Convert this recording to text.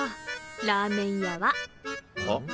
ラーメン屋は。は？